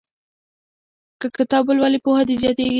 که کتاب ولولې پوهه دې زیاتیږي.